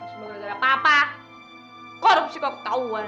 semoga gak ada papa korupsi kok ketauan